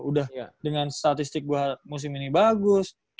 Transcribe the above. udah dengan statistik gue musim ini bagus